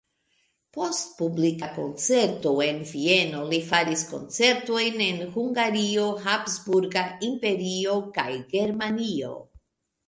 Post publika koncerto en Vieno li faris koncertojn en Hungario, Habsburga Imperio kaj Germanio.